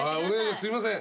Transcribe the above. すいません。